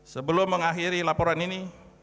sebelum mengakhiri laporan ini